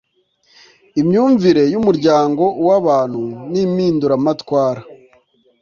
imyumvire y'umuryango w'abantu n'impinduramatwara